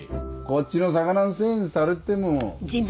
こっちの魚のせいにされても。